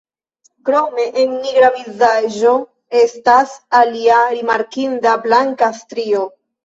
Krome en nigra vizaĝo estas alia rimarkinda blanka strio.